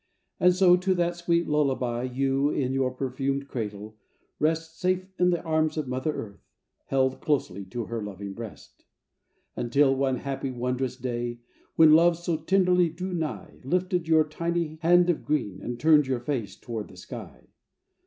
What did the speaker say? And so to that sweet lullaby You, in your perfumed cradle, rest Safe in the arms of Mother Earth, Held closely to her loving breast. Until one happy wondrous day When love so tenderly drew nigh, Lifted your tiny hand of green And turned your face toward the sky.